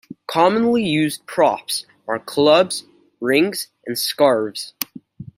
Commonly used props are clubs, rings and scarves.